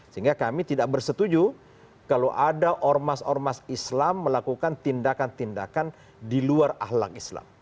sehingga kami tidak bersetuju kalau ada ormas ormas islam melakukan tindakan tindakan di luar ahlak islam